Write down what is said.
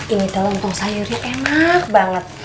ini telentung sayuri enak banget